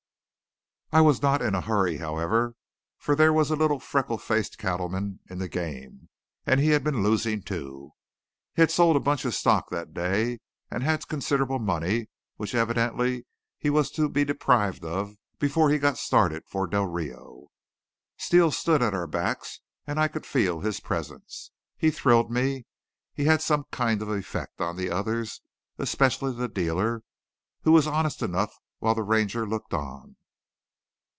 I was not in a hurry, however, for there was a little frecklefaced cattleman in the game, and he had been losing, too. He had sold a bunch of stock that day and had considerable money, which evidently he was to be deprived of before he got started for Del Rio. Steele stood at our backs, and I could feel his presence. He thrilled me. He had some kind of effect on the others, especially the dealer, who was honest enough while the Ranger looked on.